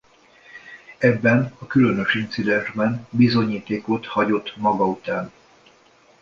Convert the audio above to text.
Ebben a különös incidensben bizonyítékot hagyott maga után.